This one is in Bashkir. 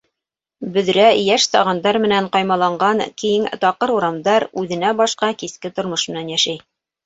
Бөҙрә йәш сағандар менән ҡаймаланған киң таҡыр урамдар үҙенә башҡа киске тормош менән йәшәй.